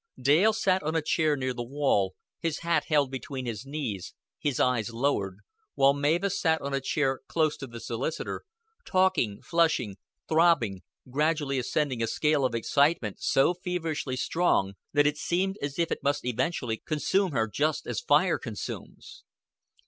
Dale sat on a chair near the wall, his hat held between his knees, his eyes lowered; while Mavis sat on a chair close to the solicitor, talking, flushing, throbbing, gradually ascending a scale of excitement so feverishly strong that it seemed as if it must eventually consume her just as fire consumes.